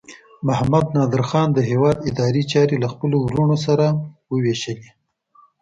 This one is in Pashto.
محمد نادر خان د هیواد اداري چارې له خپلو وروڼو سره وویشلې.